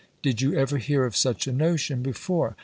Did you ever hear of such a notion, before?